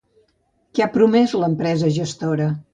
Què ha promès l'empresa gestora?